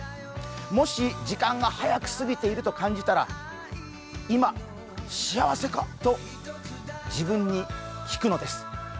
もし、時間が早く過ぎていると感じたら、今、幸せか？と、自分に聞くのです。